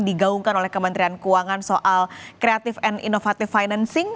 digaungkan oleh kementerian keuangan soal creative and innovative financing